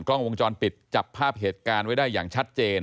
กล้องวงจรปิดจับภาพเหตุการณ์ไว้ได้อย่างชัดเจน